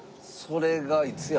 それがいつや？